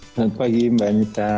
selamat pagi mbak anita